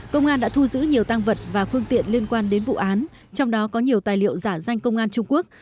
công an đã thu giữ nhiều tăng vật và phương tiện liên quan đến vụ án trong đó có nhiều tài liệu giả danh công an trung quốc